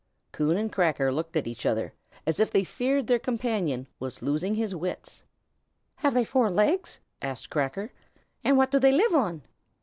Coon and Cracker looked at each other, as if they feared that their companion was losing his wits. "Have they four legs?" asked Cracker. "And what do they live on?"